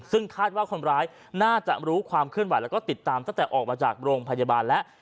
ซึ่งคาดว่าคนร้ายน่าจะรู้ความเคลื่อนไหวแล้วก็ติดตามตั้งแต่ออกมาจากโรงพยาบาลแล้ว